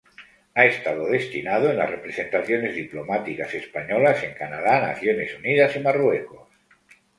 Ha estado destinado en las representaciones diplomáticas españolas en Canadá, Naciones Unidas y Marruecos.